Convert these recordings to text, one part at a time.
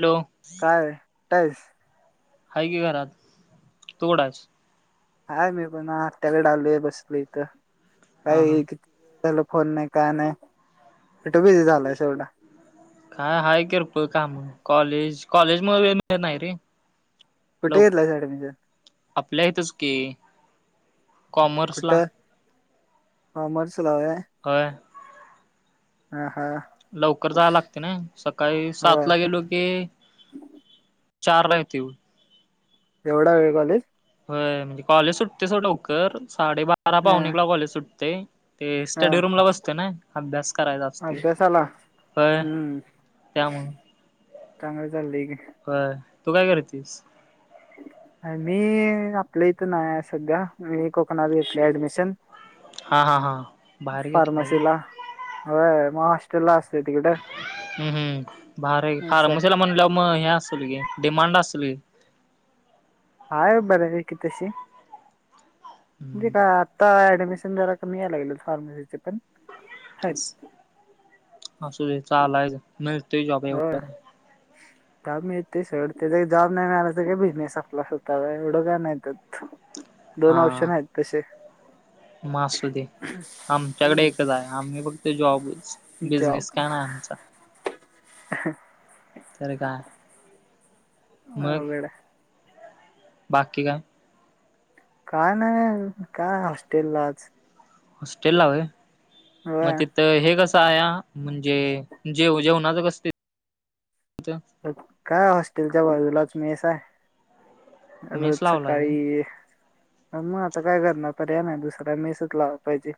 Hello? अठस [unintelligible] आहे कि घरात, तू कूटायस? हाय मी पण, आ त्याकडे आलोय बसल इथं हा हा काय किती दिवस झालं फोन नाही, काय नाही, कुट बिझी झालाय येवढा? काय हाय कीरकोळ काम. कॉलेज, कॉलेजमूळ वेळ मिळत नाही रे. कुठे लव घेतलायस ऍडमिशन? आपल्या येतच की. कॉमर्स ला. काँमरसला व्हय. होय लवकर जाव लागते ना, सकाळी सात होय ला गेलो की चार ला येतोय बघ. एवढा वेळ कॉलेज? म्हणजे कॉलेज सुटते, सोड लवकर, साडेबारा हा पाहुणे एकला कॉलेज सुटते. ते स्टडी रूम ला बसते ना अभ्यास- करायचा असतोय अभ्यासला? होय हम्म. त्यामुळं चांगलं चाललंय की.? होय तू काय करतेस? मी आपल्या इथं नाही, सध्या मी कोकणात घेतली ऍडमिशन. हा हा हा बाहेर घेतलाय व्हय फार्मसी ला. होय होय म हम्. हम्. भार की, असं फार्मसीला म्हटल्यावर मग हे असल की, डिमांड अस [unintelligible] [inaudible] हाय बर्यापैकी तशी, म्हणजे काय हम्म आता ऍडमिशन क फ्स पण [unintelligible] असुदे चालायचं, मिळतोय जॉब एवढं काय? जाँब मिळतय सोड, तेच काय जॉब नाही मिळाला, बिझनेस आपला स्वताचा एवढं का नाय त्यात. दोन ऑप्शन आहेत तशे. म असुदे, आमच्याकडे एकच आहे, आम्ही फक्त जॉब- बिझनेस काय नाय आमचा. ह तर काय [unintelligible] मग? बाकी काय? काय नाही, काय हॉस्टेलाच. हॉस्टेला व्हय? म तिथ हे कस क म्हणजे जेव-जेवणाचं कस- काय हॉस्टेलच्या बाजूलाच मेस हाय. मेस आजच लावलाय व्हय सकाळी- मग आता काय करणार पर्याय नाही दुसरा मेसच लावा पाहिजे.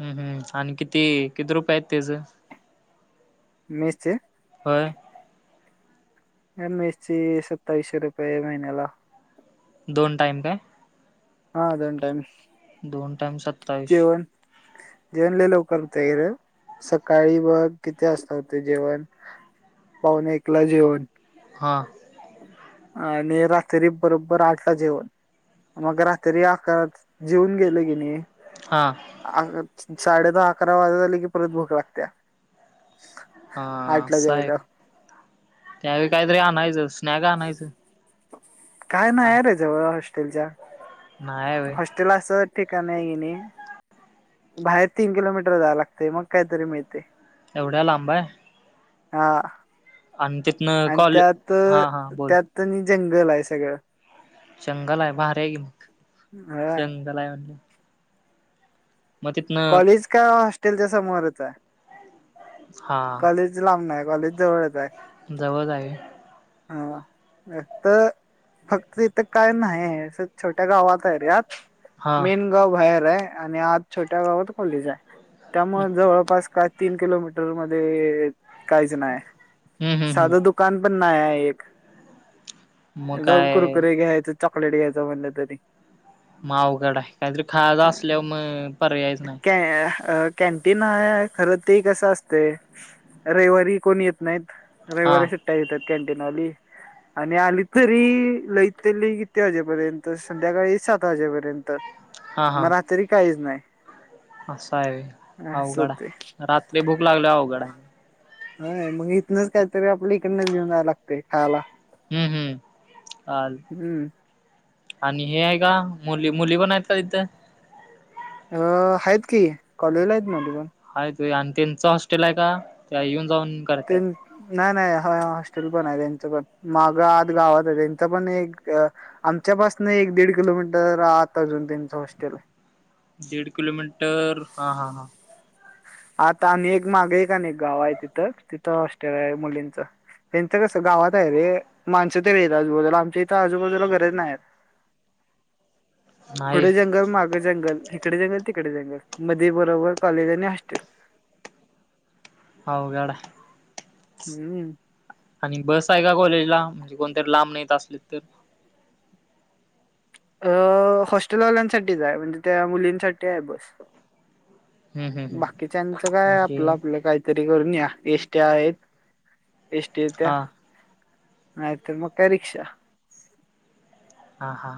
हं, हं, आणि किती किती रुपये आहेत त्याचं? निश्चित [unintelligible] व्हय. मेसचे सत्तावीसशे रुपये महिन्याला. दोन टाइम काय? हा, दोन टाईम. दोन टाइम सत्तावीश जेवण लय लवकर होतय इकडं- सकाळी बघ कितीे असत होते, जेवण पाहूणे एकला जेवण. हां. आणि रात्री बरोबर आठला जेवण. मग रात्री आकारात जेऊन गेले की नाही हा अ साडे दहा अकरा वाजत आले की परत भूक लागते. हा आसयं त्यावेळी काहीतरी आणायचं स्नॅक आणायचं. काय नाही का आहे रे जवळ हॉस्टेलच्या. नाही व्हय हॉस्टेल अस ठिकाणय की नाही बाहेर तीन किलोमीटर जावं लागतंय मग काहीतरी मिळतंय. एवढ्या लांबाय. हा आणि कॉल त्यात हा हा बोल त्यात जंगल आहे सगळं जंगल हाय भारी हाय की मग ह जंगल आहे म्हटल्यावर कॉलेज का हॉस्टेलच्या समोरच आहे कॉलेज लांब नाय कॉलेज जवळच आहे जवळज हाय व्हय हा तर, फक्त तिथं काय नाहीय छोट्या गावात हाय एरीयात हा मेन गाव बाहेर आहे आणि आज छोट्या गावात खोलीच हाय हम्म त्यामुळे जवळपास का तीन किलोमीटर मध्ये काहीच नाही. हम्म साधं हम्म दुकान पण नाही एक मग जाऊन काय कुरकुरे घ्यायचं चॉकलेट घ्यायचं म्हणलं तरी. मग अवघड आहे. काहीतरी खायाच असल्यावर मग पर्यायच नाही. कॅन्टीन हाय खर ते कसं असतय रविवारी कोण येत नाहीत. हा रविवारी सुट्टया देत्यात कॅन्टीनवाली आणि आली तरी लईतली किती वाजेपर्यंत संध्याकाळी सात वाजेपर्यंत हा हा मग रात्री काहीच नाही. असं आहे. असं अवघड होतय हाय रात्री भूक लागल्या वर अवघड आहे. हाय मग इथनंच कायतरी आपल इकडूनच घेऊन जायला लागते खायला. हम्म हम्म आ हम्म आणि हे आहे का मुली मुली पण आहेत का तिथे? अ हाइत की कॉलेजला आहेत म्हटलं. हायत व्हय आण त्यांच हॉस्टेल आहे का त्या येऊन. जाऊन ते करत्यात. नाही नाही. हॉस्टेल पण आहे. त्यांच पण माग आत गावात आहे. त्यांच पण एक आमच्यापासन एक एक दीड किलोमीटर आत अजून त्यांच हॉस्टेल हाय. दीड किलोमीटर हा हा हा. आता आम्ही एक माग एक आणी गाव आहे. तिथं तिथं हॉस्टेल आहे मुलींच. त्यांचं कसं गावात आहे रे माणसं तर आहेत. आजूबाजूला आमच्या इथं आजूबाजूला घरचं नाही. नाही पुढे जंगल माग जंगल इकडे जंगल तिकडे जंगल मध्ये बरोबर कॉलेज आणि हॉस्टेल. अवघड हाय हम्म आणि बस आहे का कॉलेजला? कोणतरी लांब राहित असले तर, अ हॉस्टेलवाल्यांसाठीच आहे म्हणजे त्या मुलींसाठी आहे बस. हम्म हम्म हम्म बाकीच्यांच काय आपलं म्हणजे आपलं काहीतरी, करून या एसटी आहेत. एसटी येत्या हा नाहीतर मग काय रीक्षा. हा हा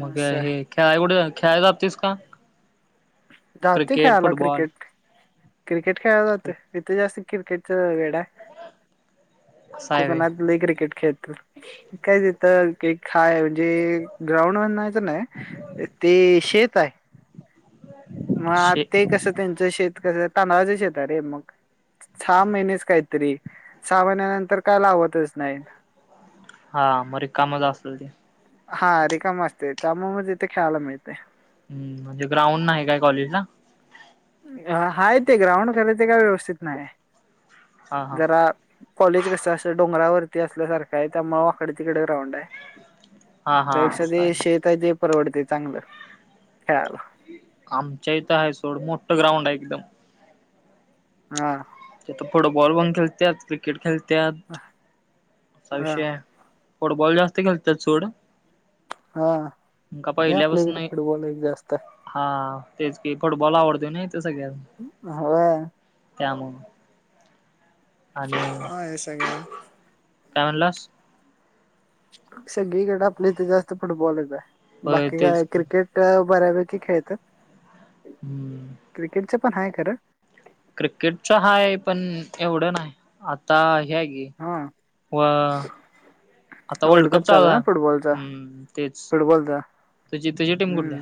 मग हे खेळायला कूठं खेळायला जातोस का? जातोय क्रिकेट, खेळायला फुटबॉल? क्रिकेट क्रिकेट खेळायला जातोय. इथे जास्त क्रिकेटच वेड आहे. असं हाय व्हय कोकणात लय क्रिकेट खेळ त्यात काय तिथं एक हाय म्हणजे ग्राउंड म्हणता येणार नाही ते ते शेत हाय. मग शे ते कस त्यांचं शेत कस तांदळाच शेत हाय रे मग, सहा महिनेच काहीतरी सहा महिन्यानंतर काय लावतच नाहीत. हा मग रिकामच असतील ते. हा रिकाम असते. त्यामुळे तिथे खेळायला मिळते. हम्म म्हणजे ग्राउंड नाही काय कॉलेजला? हाय ते ग्राउंड खर ते काय व्यवस्थित नाय. हा हा जरा, कॉलेज कसं असं डोंगरावरती असल्यासारखं आहे. त्यामुळे वाकडे तिकडे ग्राउंड हाय. हा हा त्यापेक्षा असं हाय ते शेत आहे ते परवडते चांगलं खेळायला. आमच्या इथं आहे सोड मोठं ग्राउंड आहे एकदम हा. तिथं फुटबॉल पण खेळत्यात. क्रिकेट खेळत्यात. असा हा विषय हाय, फुटबॉल जास्त खेळतात सोड. हा. का हे आपल्या पहिल्यापासन इकडे फुटबॉल एक जास्त हा. तेच कि फुटबॉल आवडतो नाय इथं सगळ्यासनी होय त्यामुळ. हा हे सगळ. का म्हनलास. सगळीकडे आपल्या इथे जास्त फुटबॉलच हाय होय बाकी तेच काय की क्रिकेट अ बऱ्यापैकी खेळतात. हम्म. क्रिकेटच पण आहे खरं क्रिकेट च हाय पण एवढं नाही आता ही हाय की हा. व. आता वर्ल्ड कप चालू आहे चालला. ना फुटबॉलचा हम्म तेच. फुटबॉलचा तुझी तुझी टीम हम्म कुठल्या.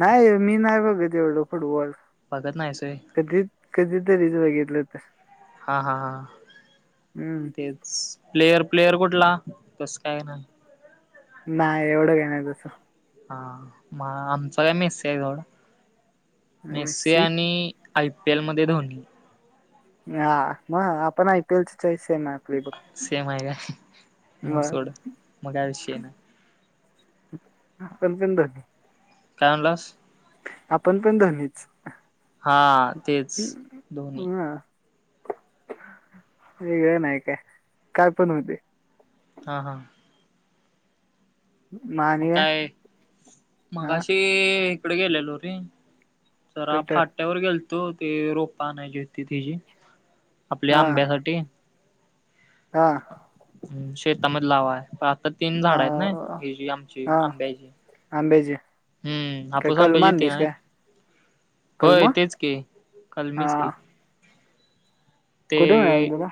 नाही मी नाही बघ तेवढं फुटबॉल. बघत नाहीस व्हय. कदीच बघितलं तार. हा हा हा हम्म तेच प्लेयर, प्लेअर कुठला? तस काय नाही. नाही एवढं काही नाही तसं. हा आमच काय मेसे आहे तेवढा मेसे मेस्सी आणि आयपीएल मध्ये धोनी. हा मग आपण I P L choice same हाय. सेम आहे काय मग सोड मग काय विषय नाय. [unintelligible] काय म्हणलंस. आपण पण धोनीच. हा तेच धोनी. हा वेगळं नाही काय, काय पण होउदे. हा हा. मग काय हा मगशी इकडे गेलेलो रे. जरा कुठं फाट्यावर गेलतो ते रोपा आणायची होती हेजी. आपल्या हा आंब्यासाठी. हा. हम् शेतामध्येध लावाय आता तीन झाड आहेत ना अ, हे जी आमची हा आंब्याची. आंब्याची हम्म, काय हापूस कलम आंब्याची तीन आणलीस हायत. काय कलम होय हा तेच की कालमीच की. कुठे मिळाली तुला.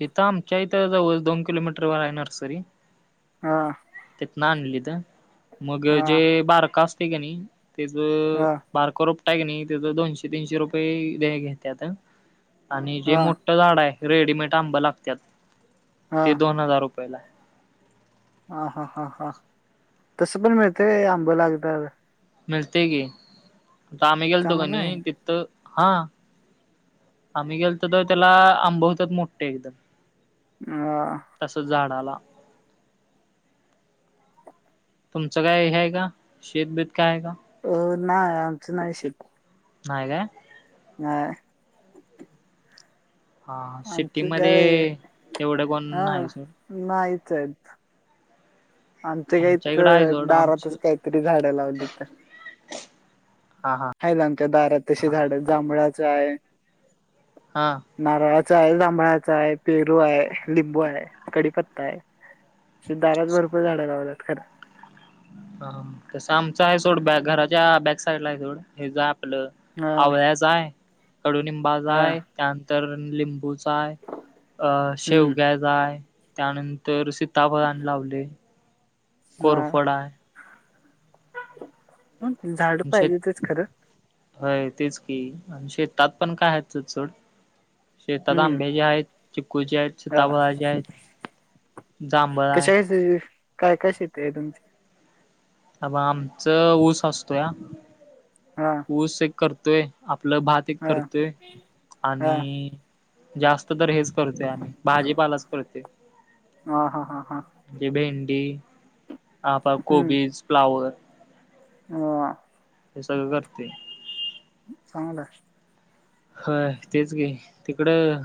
हेथ आमच्या इथं जवळच दोन किलोमीटरवर हाय नर्सरी. हा आणालेत मग हा जे बारक असते का नाही तेज.... हा हा बारकरू. क नाही त्याच दोनशे तीनशे रुपये घेतत आणि जे हा मोठं झाड आहे. रेडीमेड आंब लागत ते दोन हजार रुपयाला. हा हा हा हा तसं पण मिळते आंब लागनार. मिळतयं की आम्ही गेलतो चांगलं काणी आहे तिथ हा आम्ही गेलो तर त्याला आंबे हॊतात मोठे एकदम. अ तस झाडाला. तुमचं काय हे आहे का शेतबीत काय आहे का? अ नाही आमचं नाही शेत. नाही कायं. नाय. हां [unintelligible] आ सिटीमध्ये एवढं कोण हा नाही सोड नाही तेब आमच काही आमच्या इकडं आहे तर सोड आमची दारातच काहीतरी झाडं लावली तर हा हा हाय ना आमच्या दारात तशी झाडं जांभळाचं आहे. हा नारळाचं. हाय, जांभळाचा हाय, पेरू हाय, लिंबू हाय, कडीपत्ता हाय च दारात भरपूर झाडं लावतात खरं. हा तस आमच आहे सोड अ-घराच्या बॅक साइड ला आहे सोडं. आपलं हा आवळ्याचं हाय. कडुनिंबाचं हा हाय, त्यानंतर लिंबूचं हाय, हम्म अ-शेवग्या हाय. त्यानंतर सीताफळाचं अनं लावलयं. हा कोरफोड हाय. झाड पाहिजे तेच खरं. हय तेच की आणि शेतात पण काय आहेतचं सोड. शेतात हम्म आंब्याची आहेत. चिकू ची हायत, हा सीताफळची हायत, जांभळ हाय. कशा काय काय शेती आहे तुमची. अ आमच ऊस असतोया हा ऊस एक करतोया. आपलं भात एक हा करतोय हा आणि जास्त. तर हेच करतोय आम्ही भाजीपालाच करतोय हा हा हा हा ते भेंडी. हेआ कोबीज फ्लावर. हा. हे सगळं करतोय. चांगलयं. ह तेच की तिकडं.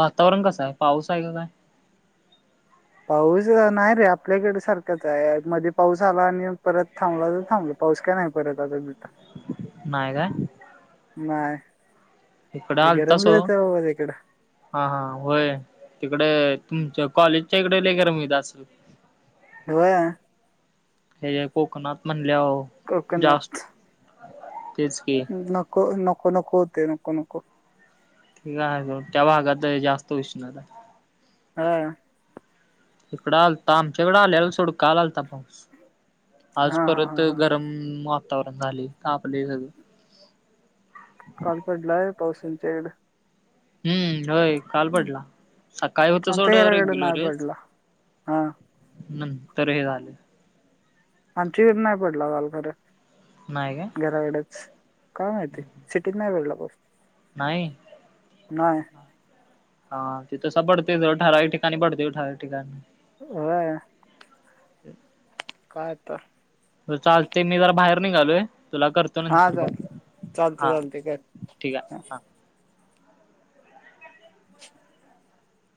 वातावरण कसं आहे पाऊस आहे का काय. पाऊस नाही रे आपल्याकडे सारखाच आहे मध्ये पाऊस आला आणि परत थांबला तर थांबलं. पाऊस का नाही परत आता. नाहीय कायं. नाहीय. तिकडे आल तसो हा हा होय तिकडे अ. तुमच्या कॉलेजच्या इकडे लय गरम होतं असेल की होयं. हे कोकणात म्हणल्यावर जास्त कोकणात तेच की नको नको नको होते नको नको. ठीक आहे त्या भागात जास्त उष्णता. हा. इकडा आलता आमचाकडं आलेला सोड काल आलेला. आज हा हा हा परत हा गरम वातावरण झालय तापलंय सगळं. काल पडलाय पाऊस आमच्याकड. हुं होय. काल पडला, सकाळी होत आमच्या सोड घराकडे नाही रेग्युलरच. पडला हा नंतर हे झाले. आमच्या इकड नाही पडला काल खरं नाही काय घराकडच काय माहिती सिटीत नाही पडला पाउस. नाही. नाहीय. हा तो तसा पडतंय व्हय ठराविक ठिकाणी पडतोय ठराविक ठिकाणी होय ते काय तर बर चालतय मी जरा बाहेर निघालोय. तुला करतो हा नंतर चाल कॉल चालते हा चालते काय ठीक आहे हा.